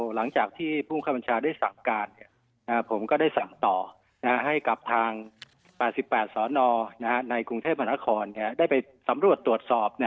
หลังจากที่ผู้เข้าบัญชาได้สั่งการผมก็ได้สั่งต่อให้กับทาง๘๘สนในกรุงเทพมหานครได้ไปสำรวจตรวจสอบ